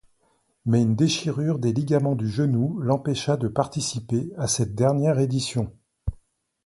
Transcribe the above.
Mais une déchirure des ligaments du genou l’empêcha de participer à cette dernière édition.